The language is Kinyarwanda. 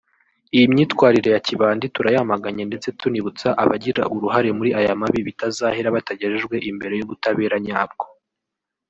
Iyi myitwarire ya kibandi turayamaganye ndetse tunibutsa abagira uruhare muri aya mabi bitazahera batagejejwe imbere y’ ubutabera nyabwo